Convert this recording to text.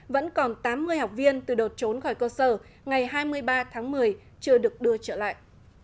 vẫn còn tám mươi học viên từ đợt trốn khỏi cơ sở ngày hai mươi ba tháng một mươi chưa được đưa trở lại